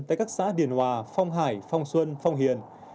tại các xã điền hòa phong hải phong xuân phong hiền